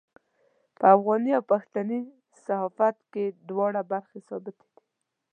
په افغاني او پښتني صحافت کې دواړه برخې ثابتې دي.